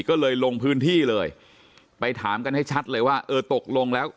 ก็เลยลงพื้นที่เลยไปถามกันให้ชัดเลยว่าเออตกลงแล้ว